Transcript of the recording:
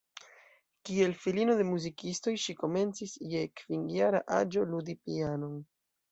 Kiel filino de muzikistoj ŝi komencis, je kvinjara aĝo, ludi pianon.